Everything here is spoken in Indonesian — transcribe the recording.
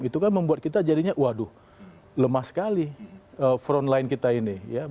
itu kan membuat kita jadinya waduh lemah sekali front line kita ini